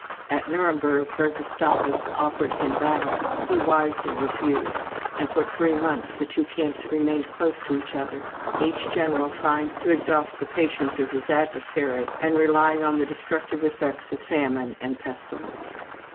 At Nuremberg, where Gustavus offered him battle, he wisely refused, and for three months the two camps remained close to each other, each general trying to exhaust the patience of his adversary, and relying on the destructive effects of famine and pestilence.